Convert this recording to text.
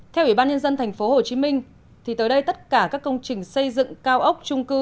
theo ủy ban nhân dân tp hcm tất cả các công trình xây dựng cao ốc trung cư